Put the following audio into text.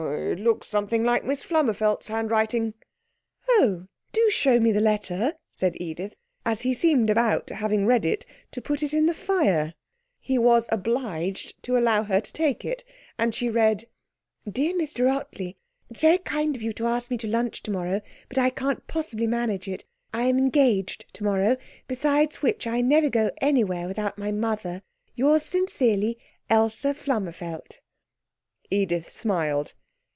'It looks something like Miss Flummerfelt's handwriting.' 'Oh, do show me the letter!' said Edith, as he seemed about, having read it, to put it in the fire. He was obliged to allow her to take it, and she read: 'Dear Mr Ottley, 'It's very kind of you to ask me to lunch tomorrow, but I can't possibly manage it. I'm engaged tomorrow, besides which I never go out anywhere without my mother. 'Yours sincerely, 'Elsa Flummerfelt.' Edith smiled.